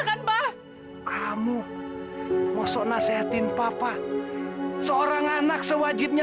sampai jumpa di video selanjutnya